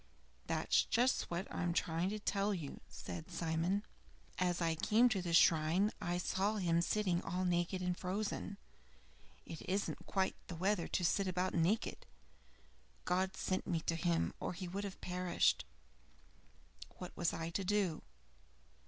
"That's just what I am trying to tell you," said Simon. "As I came to the shrine I saw him sitting all naked and frozen. It isn't quite the weather to sit about naked! God sent me to him, or he would have perished. What was I to do?